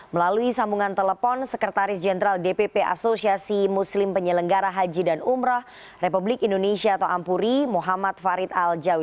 melalui sambungan telepon sekretaris jenderal dpp asosiasi muslim penyelenggara haji dan umroh republik indonesia atau ampuri muhammad farid al jawi